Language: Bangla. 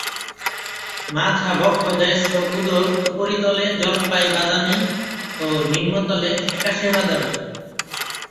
মাথা, বক্ষদেশ ও উদর উপরিতলে জলপাই- বাদামি ও নিম্নতলে ফ্যাকাশে বাদামি।